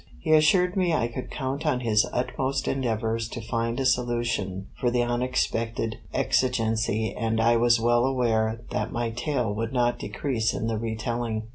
He assured me I could count on his utmost endeavours to find a solution for the unexpected exigency, and I was well aware that my tale would not decrease in the retelling.